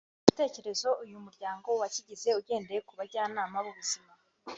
Iki gitekerezo uyu muryango wakigize ugendeye ku bajyanama b’ubuzima